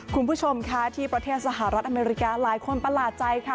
คุณผู้ชมค่ะที่ประเทศสหรัฐอเมริกาหลายคนประหลาดใจค่ะ